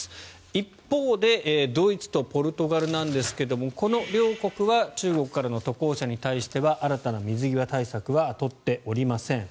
一方でドイツとポルトガルなんですがこの両国は中国からの渡航者に対しては新たな水際対策は取っておりません。